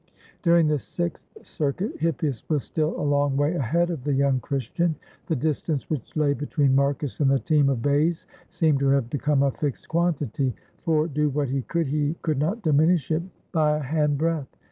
During the sixth circuit Hippias was still a long way ahead of the young Christian; the distance which lay between Marcus and the team of bays seemed to have become a fixed quantity, for, do what he could, he could not diminish it by a hand breadth.